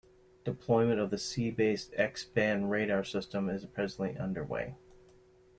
Deployment of the Sea-based X-band Radar system is presently underway.